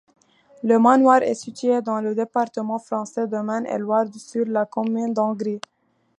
Le manoir est situé dans le département français de Maine-et-Loire, sur la commune d'Angrie.